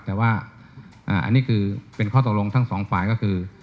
แต่ว่าอันนี้คือเป็นข้อตกลงทั้งสองฝ่ายก็คือ